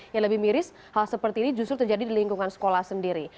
yang lebih miris hal seperti ini justru terjadi di lingkungan sekolah sendiri